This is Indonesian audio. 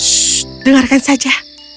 shh dengarkan saja